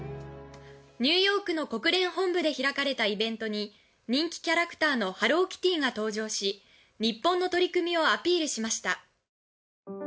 ニューヨークの国連本部で開かれたイベントに人気キャラクターのハローキティが登場し日本の取り組みをアピールしました。